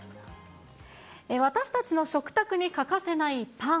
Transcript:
私たちの食卓に欠かせないパン。